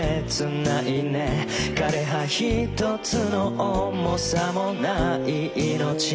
「枯葉ひとつの重さもない命」